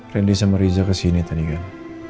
randy sama riza kesini tadi kan